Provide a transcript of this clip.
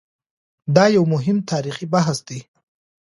دا یو مهم تاریخي بحث دی.